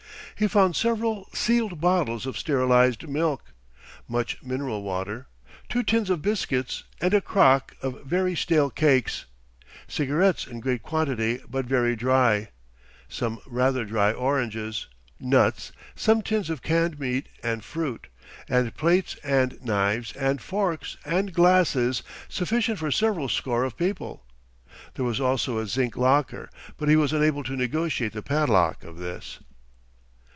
He found several sealed bottles of sterilized milk, much mineral water, two tins of biscuits and a crock of very stale cakes, cigarettes in great quantity but very dry, some rather dry oranges, nuts, some tins of canned meat and fruit, and plates and knives and forks and glasses sufficient for several score of people. There was also a zinc locker, but he was unable to negotiate the padlock of this.